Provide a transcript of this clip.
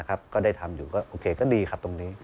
ก็ได้ทำอยู่ก็โอเคก็ดีครับตรงนี้